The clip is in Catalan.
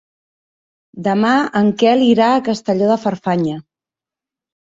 Demà en Quel irà a Castelló de Farfanya.